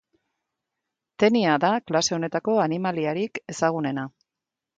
Tenia da klase honetako animaliarik ezagunena.